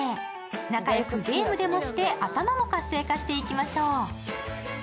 仲良くゲームでもして頭も活性化していきましょう。